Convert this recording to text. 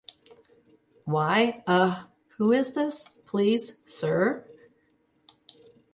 Why, ah, who is this, please, sir?